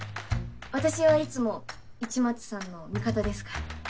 私はいつも市松さんの味方ですから。